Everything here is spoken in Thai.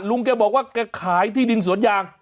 แกบอกว่าแกขายที่ดินสวนยาง